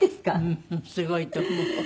うんすごいと思う。